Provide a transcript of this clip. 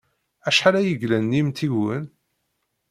Acḥal ay yellan n yimtiwgen?